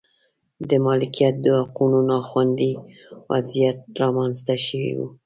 د مالکیت د حقونو نا خوندي وضعیت رامنځته شوی و.